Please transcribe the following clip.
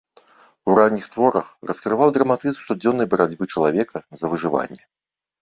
У ранніх творах раскрываў драматызм штодзённай барацьбы чалавека за выжыванне.